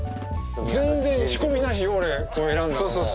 全然仕込みなしよこれ選んだのも。